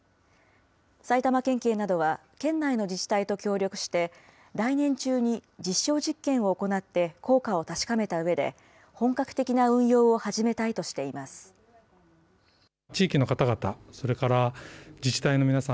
埼玉県警などは、県内の自治体と協力して、来年中に実証実験を行って、効果を確かめたうえで、本格的な運用を始めたいとしています。